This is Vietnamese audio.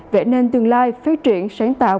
vẽ nên tương lai phát triển sáng tạo